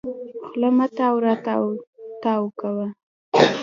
خوله مه تاوې راو تاوې کوه.